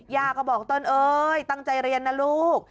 ย่าก็บอกเติ้ลเอ้ยตั้งใจเรียนนะลูก